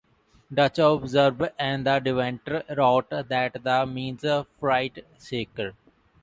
Dutch observer van Deventer wrote that it means "freight seeker".